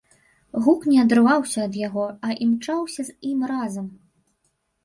Гук не адрываўся ад яго, а імчаўся з ім разам.